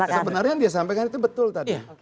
sebenarnya yang dia sampaikan itu betul tadi